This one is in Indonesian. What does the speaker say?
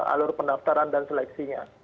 alur pendaftaran dan seleksinya